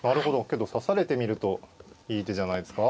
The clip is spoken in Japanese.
けど指されてみるといい手じゃないですか。